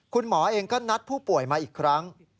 คุณหมอเองก็นัดผู้ป่วยมาอีกครั้ง